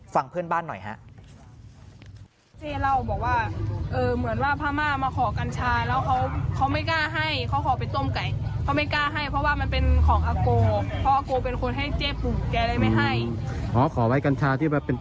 ฟังเพื่อนบ้านหน่อยฮะ